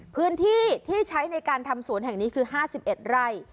พื้นที่ที่ใช้ในการทำสวนแห่งนี้คือ๕๑ไร่